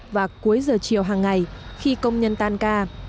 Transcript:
và cuối giờ chiều hàng ngày khi công nhân tan ca